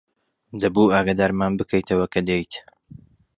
دەبوو ئاگادارمان بکەیتەوە کە دێیت.